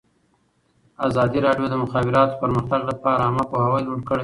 ازادي راډیو د د مخابراتو پرمختګ لپاره عامه پوهاوي لوړ کړی.